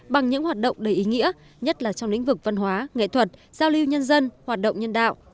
bằng những hoạt động đầy ý nghĩa nhất là trong lĩnh vực văn hóa nghệ thuật giao lưu nhân dân hoạt động nhân đạo